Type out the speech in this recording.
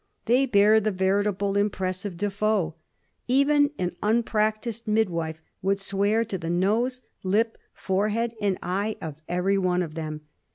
They bear the veritable impress of Defoe. Even an unpractised midwife would swear to the nose, lip, forehead, and eye of every one of them.